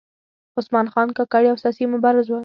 عثمان خان کاکړ یو سیاسي مبارز و .